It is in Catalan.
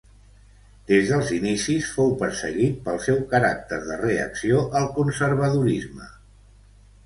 Des dels inicis fou perseguit pel seu caràcter de reacció al conservadorisme.